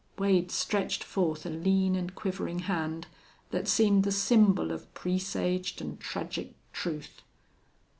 Wade stretched forth a lean and quivering hand that seemed the symbol of presaged and tragic truth.